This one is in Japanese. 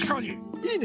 いいね！